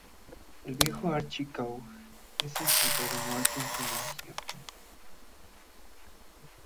El viejo Archie Coe es encontrado muerto en su mansión.